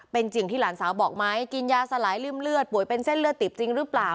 เป็นจริงที่หลานสาวบอกไหมกินยาสลายริ่มเลือดป่วยเป็นเส้นเลือดติดจริงหรือเปล่า